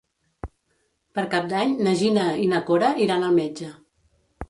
Per Cap d'Any na Gina i na Cora iran al metge.